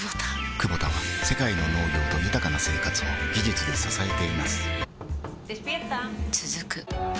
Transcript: クボタは世界の農業と豊かな生活を技術で支えています起きて。